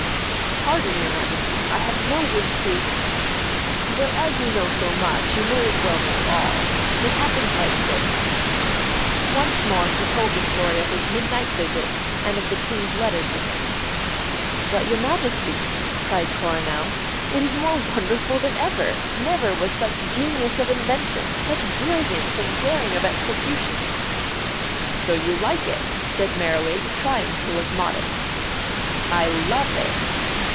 "Pardon, your Majesty. I have no wish to " "But as you know so much, you may as well know all. It happened like this." Once more he told the story of his midnight visit, and of the King's letter to him. "But, your Majesty," cried Coronel, "it is more wonderful than the other. Never was such genius of invention, such brilliance and daring of execution." "So you like it," said Merriwig, trying to look modest. "I love it."